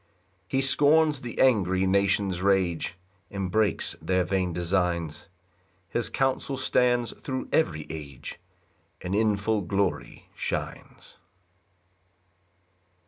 6 He scorns the angry nations' rage, And breaks their vain designs; His counsel stands thro' every age, And in full glory shines.